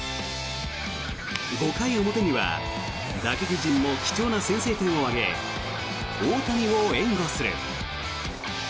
５回表には打撃陣も貴重な先制点を挙げ大谷を援護する。